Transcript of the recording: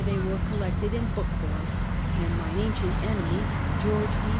they were collected in book form, and " mine an cient enemy," George D.